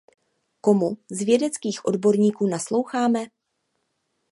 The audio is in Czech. Komu z vědeckých odborníků nasloucháme?